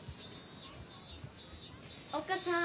・おっ母さん